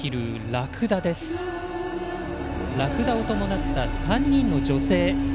ラクダを伴った３人の女性。